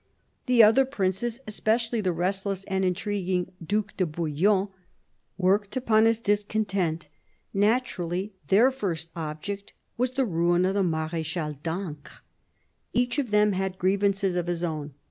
The other princes, especially the restless and intriguing Due de Bouillon, worked upon his discontent. Naturally, their first object was the ruin of the Mardchal d'Ancre. Each of them had grievances of his own.